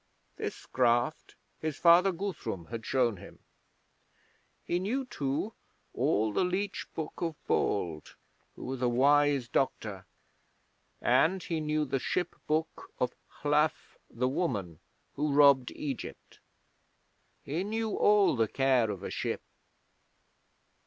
This craft his father Guthrum had shown him. He knew, too, all the Leech Book of Bald, who was a wise doctor, and he knew the Ship Book of Hlaf the Woman, who robbed Egypt. He knew all the care of a ship.